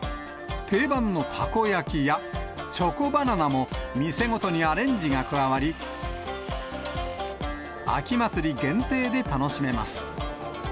定番のたこ焼きや、チョコバナナも、店ごとにアレンジが加わり、秋祭り限定で楽しめます。